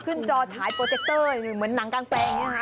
ขึ้นจอเฉ้ายโปรเจกเตอร์หรือหนังกลางแปรงนี้นะ